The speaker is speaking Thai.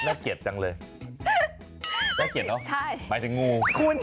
เกลียดจังเลยน่าเกลียดเนอะใช่หมายถึงงูคุณ